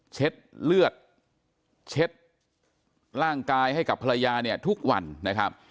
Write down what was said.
เช็ดเลือดเช็ดร่างกายให้กับภรรยาเนี่ยทุกวันนะครับ